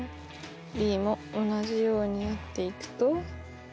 ｂも同じようにやっていくと。